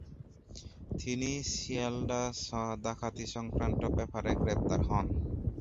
তিনি শিয়ালদা ডাকাতি সংক্রান্ত ব্যাপারে গ্রেপ্তার হন।